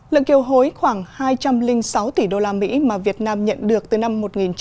lượng kiều hối khoảng hai trăm linh sáu tỷ đô la mỹ mà việt nam nhận được từ năm một nghìn chín trăm chín mươi ba